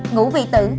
ngủ vì tử